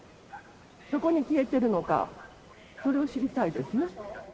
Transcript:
どこに消えてるのか、それを知りたいですね。